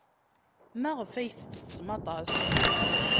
Maɣef ay tettessem aṭas?